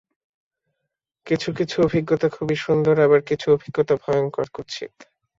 কিছু-কিছু অভিজ্ঞতা খুবই সুন্দর, আবার কিছু অভিজ্ঞতা ভয়ংকর কুৎসিত।